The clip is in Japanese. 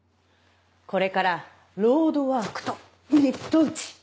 これからロードワークとミット打ち。